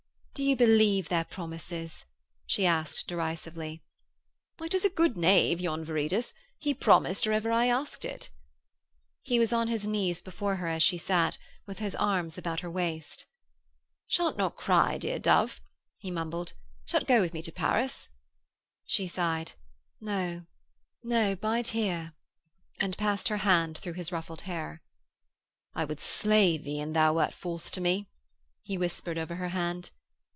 'Do you believe their promises?' she asked derisively. 'Why, 'tis a good knave, yon Viridus. He promised or ever I asked it.' He was on his knees before her as she sat, with his arms about her waist. 'Sha't not cry, dear dove,' he mumbled. 'Sha't go with me to Paris.' She sighed: 'No, no. Bide here,' and passed her hand through his ruffled hair. 'I would slay thee an thou were false to me,' he whispered over her hand.